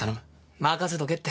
任せとけって。